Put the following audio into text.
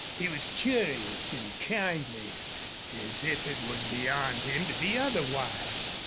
He was curious and kindly, as if it was beyond him to be otherwise.